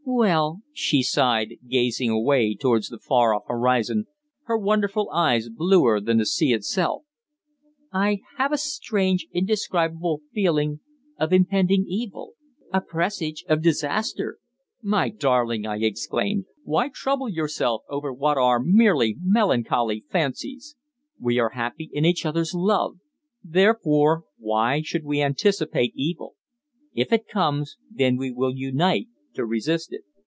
"Well," she sighed, gazing away towards the far off horizon, her wonderful eyes bluer than the sea itself, "I have a strange, indescribable feeling of impending evil a presage of disaster." "My darling," I exclaimed, "why trouble yourself over what are merely melancholy fancies? We are happy in each other's love; therefore why should we anticipate evil? If it comes, then we will unite to resist it."